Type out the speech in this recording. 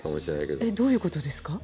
どういうことですか？